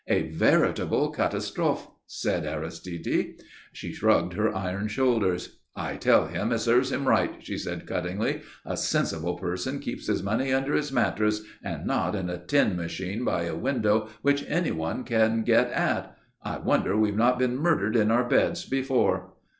"A veritable catastrophe," said Aristide. She shrugged her iron shoulders. "I tell him it serves him right," she said, cuttingly. "A sensible person keeps his money under his mattress and not in a tin machine by a window which anyone can get at. I wonder we've not been murdered in our beds before."